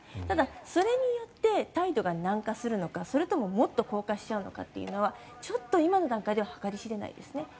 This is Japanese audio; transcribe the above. ただ、それによって態度が軟化するのかそれとももっと硬化しちゃうのかはちょっと今の段階では計り知れないですね。